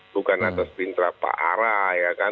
bukan atas pindra pak ara ya kan